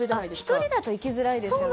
１人だと行きづらいですよね。